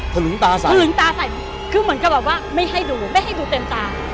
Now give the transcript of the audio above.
ถลึงตาใส่ถลึงตาใส่คือเหมือนกับแบบว่าไม่ให้ดูไม่ให้ดูเต็มตา